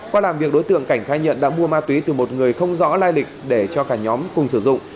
qua làm việc đối tượng cảnh khai nhận đã mua ma túy từ một người không rõ lai lịch để cho cả nhóm cùng sử dụng